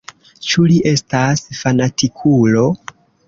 Ĉu li estas fanatikulo?